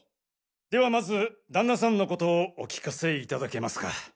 ではまず旦那さんのことをお聞かせいただけますか？